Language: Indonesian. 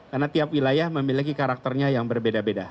karena tiap wilayah memiliki karakternya yang berbeda beda